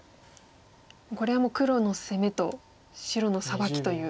これはもう黒の攻めと白のサバキという。